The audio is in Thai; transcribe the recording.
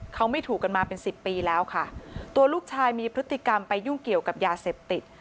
เขาไม่ถูกกันมาเป็นสิบปีแล้วค่ะตัวลูกชายมีพฤติกรรมไปยุ่งเกี่ยวกับยาเสพติด